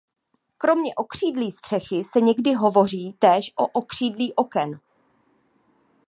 Kromě okřídlí střechy se někdy hovoří též o okřídlí oken.